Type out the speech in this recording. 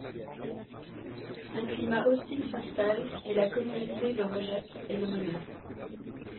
Un climat hostile s'installe et la communauté le rejette et le menace.